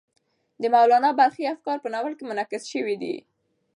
د مولانا بلخي افکار په ناول کې منعکس شوي دي.